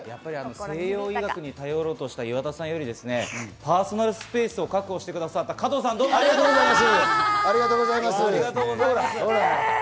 西洋医学に頼ろうとした岩田さんよりパーソナルスペースを確保してくださった加藤さん、ありがとうございます。